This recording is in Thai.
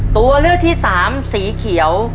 ตัวเลือกที่สามสีเขียว